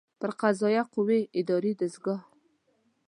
د قضائیه قوې اداري دستګاه